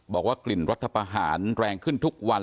บอกว่ากลิ่นรัฐประหารแรงขึ้นทุกวัน